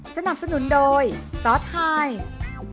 สนับสนุนโดยซอสไฮส์